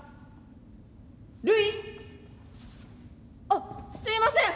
あっすいません。